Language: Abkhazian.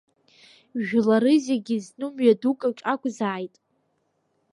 Жәлары зегь зну мҩадукаҿ акәзааит…